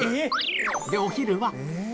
で、お昼は。